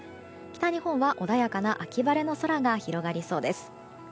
北日本は穏やかな秋晴れの空が広がりそうです。